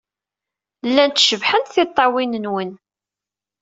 Llant cebḥent tiṭṭawin-nwent.